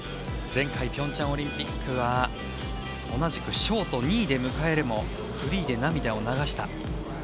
前回ピョンチャンオリンピックは同じくショート２位で迎えるもフリーで涙を流した。